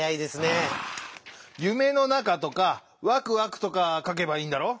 あ「ゆめのなか」とか「ワクワク」とかかけばいいんだろう？